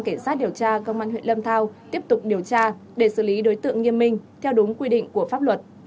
cảnh sát điều tra công an huyện lâm thao tiếp tục điều tra để xử lý đối tượng nghiêm minh theo đúng quy định của pháp luật